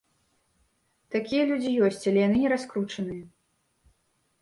Такія людзі ёсць, але яны нераскручаныя.